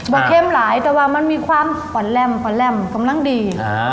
บ่เข้มหลายแต่ว่ามันมีความผ่อนแรมกำลังดี